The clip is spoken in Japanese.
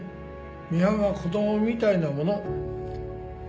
ミハンは子供みたいなもの。